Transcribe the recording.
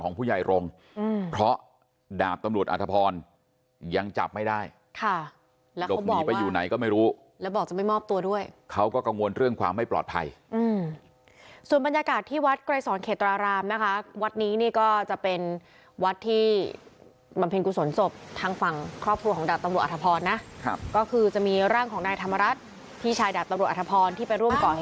ผู้ใหญ่รงค์เพราะดาบตำรวจอธพรยังจับไม่ได้ค่ะแล้วก็หลบหนีไปอยู่ไหนก็ไม่รู้แล้วบอกจะไม่มอบตัวด้วยเขาก็กังวลเรื่องความไม่ปลอดภัยอืมส่วนบรรยากาศที่วัดไกรสอนเขตรารามนะคะวัดนี้นี่ก็จะเป็นวัดที่บำเพ็ญกุศลศพทางฝั่งครอบครัวของดาบตำรวจอธพรนะครับก็คือจะมีร่างของนายธรรมรัฐพี่ชายดาบตำรวจอธพรที่ไปร่วมก่อเหตุ